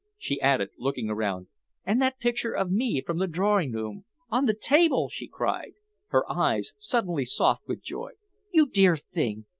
she added, looking around. "And that picture of me from the drawing room, on the table!" she cried, her eyes suddenly soft with joy. "You dear thing!